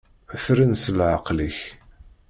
Fren s leɛqel-ik.